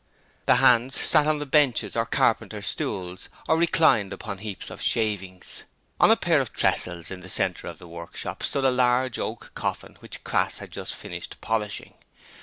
The hands sat on the benches or carpenter's stools, or reclined upon heaps of shavings. On a pair of tressels in the centre of the workshop stood a large oak coffin which Crass had just finished polishing.